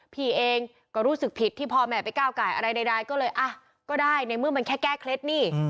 พี่เองก็รู้สึกผิดที่พ่อแม่ไปก้าวไก่อะไรใดก็เลยอ่ะก็ได้ในเมื่อมันแค่แก้เคล็ดนี่